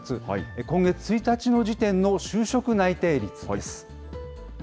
今月１日の時点の就職内定率です。